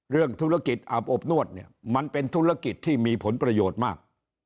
เรื่องธุรกิจอาบอบนวดเนี่ยมันเป็นธุรกิจที่มีผลประโยชน์มาก